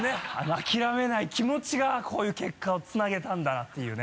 諦めない気持ちがこういう結果をつなげたんだなていうね。